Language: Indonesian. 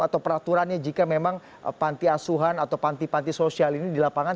atau peraturannya jika memang panti asuhan atau panti panti sosial ini di lapangan